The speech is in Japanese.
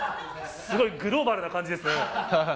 すごい、グローバルな感じですね。